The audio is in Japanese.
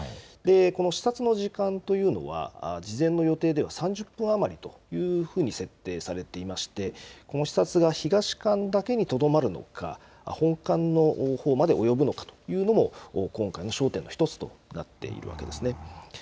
この視察の時間というのは、事前の予定では３０分余りというふうに設定されていまして、この視察が東館だけにとどまるのか、本館のほうまで及ぶのかというのも、今回の焦点の一つとなっているわけですね。